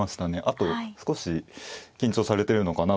あと少し緊張されてるのかな。